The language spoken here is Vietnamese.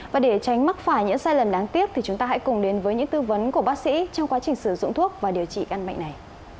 và để tránh mắc phải những sai lầm đáng tiếc thì chúng ta hãy cùng đến với những tư vấn của bác sĩ trong quá trình sử dụng thuốc và điều trị căn bệnh này